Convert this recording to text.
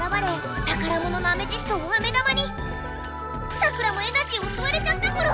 サクラもエナジーをすわれちゃったゴロ！